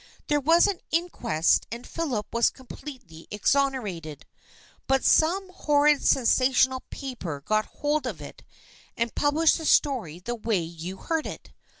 There was an inquest and Philip was completely exonerated. But some hor rid sensational paper got hold of it and published the story the way you heard it.